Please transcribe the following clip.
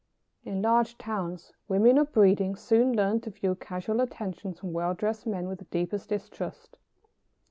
In large towns women of breeding soon learn to view casual attentions from well dressed men with the deepest distrust.